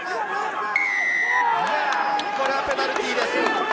これはペナルティーです。